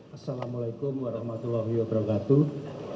assalamualaikum warahmatullahi wabarakatuh